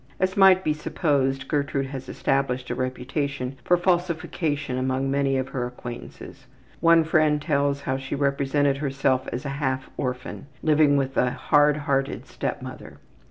As might be supposed, Gertrude has established a reputation for falsification among many of her acquaintances. One friend tells how she represented herself as a half orphan, living with a hard hearted step mother.